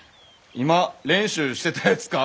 今練習してたやつか？